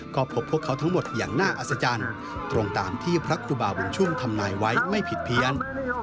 ก็พบพวกเขาทั้งหมดอย่างน่าอัศจรรย์ตรงตามที่พระครูบาบุญชุ่มทำนายไว้ไม่ผิดเพี้ยน